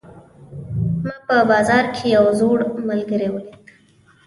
ما په بازار کې یو زوړ ملګری ولید